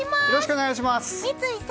よろしくお願いします！